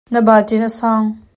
Na balṭin a sawng.